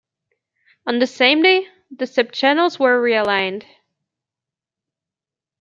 On the same day, the subchannels were realigned.